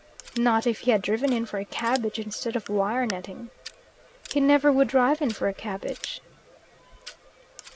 "Not if he had driven in for a cabbage instead of wire netting." "He never would drive in for a cabbage."